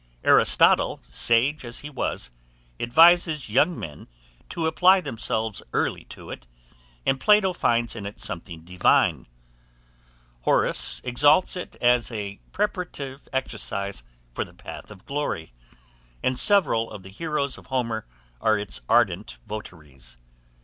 Aristotle, sage as he was, advises young men to apply themselves early to it; and Plato finds in it something divine. Horace exalts it as a preparative exercise for the path of glory, and several of the heroes of Homer are its ardent votaries.